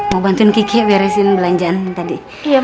mau bantuin kiki beresin belanjaan tadi